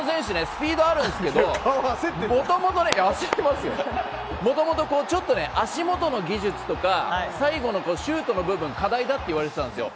スピードあるんですけどもともと足元の技術とか最後のシュートの部分課題だっていわれていたんですよ。